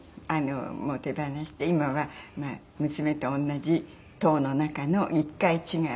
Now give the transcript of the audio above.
もう手放して今は娘と同じ棟の中の１階違い。